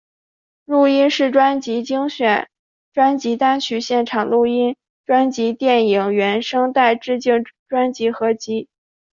录音室专辑精选专辑单曲现场录音专辑电影原声带致敬专辑合辑